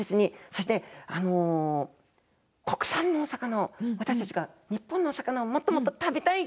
そして、国産のお魚を私たちが日本のお魚をもっともっと食べたい。